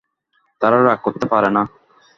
তারা রাগ করতে পারে না।